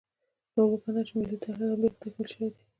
نو وګڼه چې ملي تعهُد هم بېرته تکمیل شوی دی.